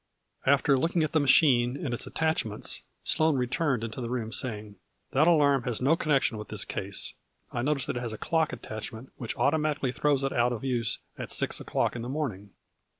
After looking at the machine and its attach ments, Sloane returned into the room, saying, " That alarm has no connection with this case I notice that it has a clock attachment which automatically throws it out of use at six o'clock in the morning.